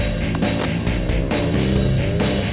tapi kalau tidak jagco masih temhasnya